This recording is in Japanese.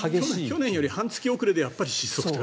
去年より半月遅れでやっぱり失速と。